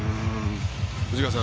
藤川さん